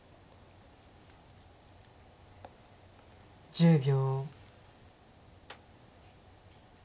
１０秒。